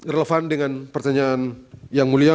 relevan dengan pertanyaan yang mulia